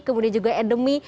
kemudian juga endemi